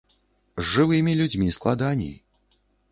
З жывымі людзьмі складаней.